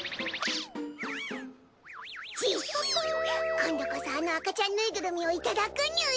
今度こそあの赤ちゃんぬいぐるみをいただくにゅい！